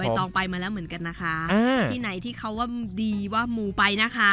ต้องไปมาแล้วเหมือนกันนะคะที่ไหนที่เขาว่าดีว่าหมูไปนะคะ